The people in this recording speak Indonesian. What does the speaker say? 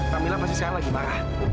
camilla pasti sekali lagi marah